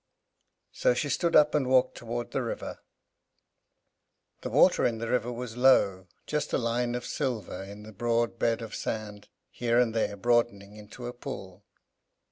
So she stood up and walked towards the river. The water in the river was low; just a line of silver in the broad bed of sand, here and there broadening into a pool.